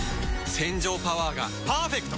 洗浄パワーがパーフェクト！